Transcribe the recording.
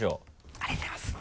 ありがとうございます。